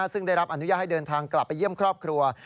ซึ่งได้รับอนุญาตให้เดินทางกลับไปเยี่ยมครอบครัว